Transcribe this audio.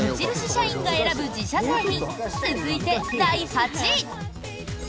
社員が選ぶ自社製品続いて、第８位。